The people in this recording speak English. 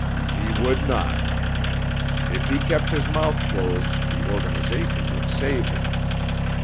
"He would not. If he kept his mouth closed, the organization would save him.